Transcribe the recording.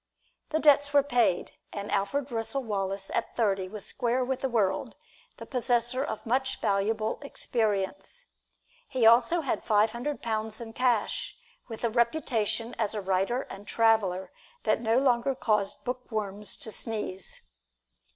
The debts were paid, and Alfred Russel Wallace at thirty was square with the world, the possessor of much valuable experience. He also had five hundred pounds in cash, with a reputation as a writer and traveler that no longer caused bookworms to sneeze.